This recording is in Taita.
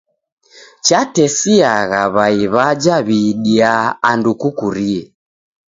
Chatesiagha w'ai w'aja w'iidiaa andu kukurie.